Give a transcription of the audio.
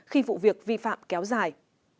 khi vụ việc vi phạm kéo dài